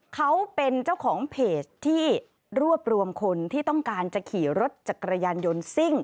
เขาเป็นเจ้าของเพจที่รวบรวมคนที่ต้องการจะขี่รถจักรยานยนต์ซิ่ง